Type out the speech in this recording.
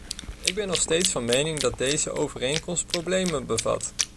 Ik ben nog steeds van mening dat deze overeenkomst problemen bevat.